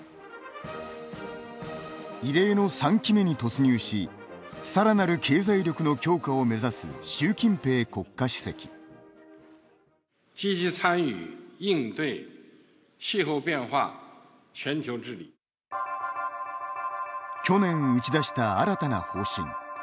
異例の３期目に突入しさらなる経済力の強化を目指す去年、打ち出した新たな方針。